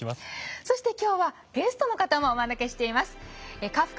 そして今日はゲストの方もお招きしています。